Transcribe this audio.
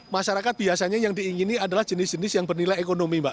masyarakat biasanya yang diingini adalah jenis jenis yang bernilai ekonomi mbak